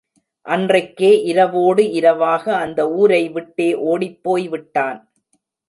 அன்றைக்கே இரவோடு இரவாக அந்த ஊரை விட்டே ஒடிப் போய்விட்டான்.